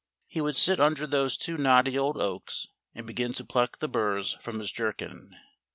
He would sit under those two knotty old oaks and begin to pluck the burrs from his jerkin.